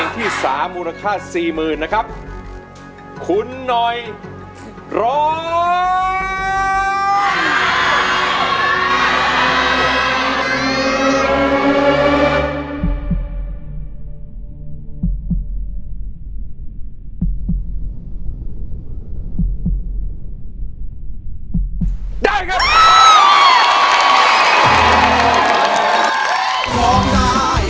โทษใจโทษใจโทษใจโทษใจโทษใจโทษใจโทษใจ